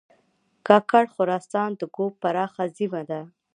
کاکړ خراسان د ږوب پراخه سیمه ده